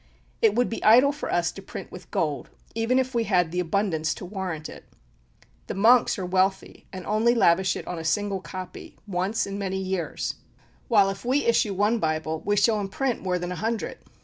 It would be idle for us to print with gold, even if we had the abundance to warrant it. The monks are wealthy, and only lavish it on a single copy, once in many years; while if we issue one Bible, we shall imprint more than a hundred!"